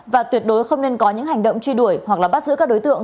và tuyệt đối không nên có những hành động truy đuổi hoặc bắt giữ các đối tượng